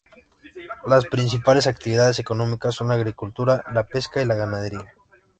Las principales actividades económicas son la agricultura, la pesca y la ganadería.